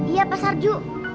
iya pak sarju